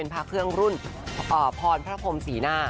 พระเครื่องรุ่นพรพระพรมศรีหน้า